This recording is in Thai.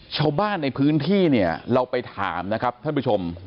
ชาวบ้านในพื้นที่เนี่ยเราไปถามนะครับท่านผู้ชม